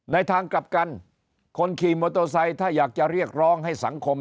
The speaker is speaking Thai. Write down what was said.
ในทางกลับกันคนขี่มอเตอร์ไซค์ถ้าอยากจะเรียกร้องให้สังคม